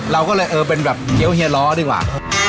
เราก็เลยเออเป็นแบบเกี้ยวเฮียล้อดีกว่า